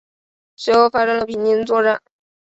随后发生了平津作战。